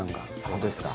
本当ですか。